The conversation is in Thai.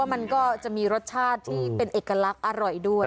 มันก็จะมีรสชาติที่เป็นเอกลักษณ์อร่อยด้วย